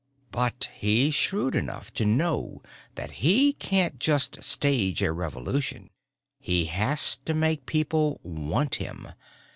But he's shrewd enough to know that he can't just stage a revolution. He has to make people want him.